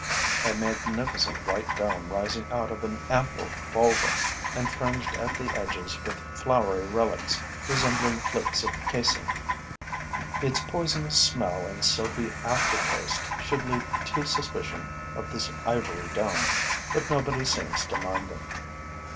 a magnificent white dome rising out of an ample volva and fringed at the edges with floury relics resembling flakes of casein. Its poisonous smell and soapy aftertaste should lead to suspicion of this ivory dome; but nobody seems to mind them.